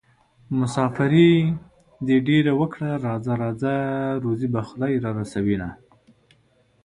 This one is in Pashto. مساپري دې ډېره وکړه راځه راځه روزي به خدای رارسوينه